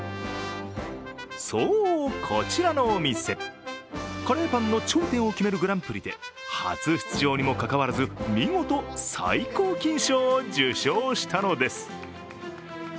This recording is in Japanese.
そう、こちらのお店、カレーパンの頂点を決めるグランプリで初出場にもかかわらず、見事最高金賞を受賞したのです。